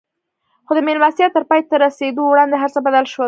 خو د مېلمستيا تر پای ته رسېدو وړاندې هر څه بدل شول.